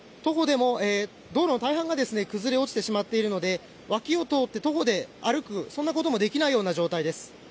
道路の大半が崩れ落ちてしまっているので脇を通って徒歩で歩くそんなこともできない状態です。